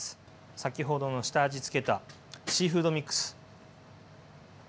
先ほどの下味付けたシーフードミックス。